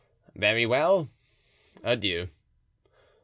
"Very well. Adieu."